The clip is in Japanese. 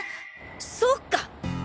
そうか！